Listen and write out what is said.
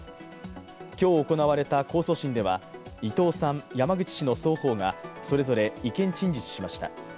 今日行われた控訴審では、伊藤さん、山口氏の双方がそれぞれ意見陳述しました。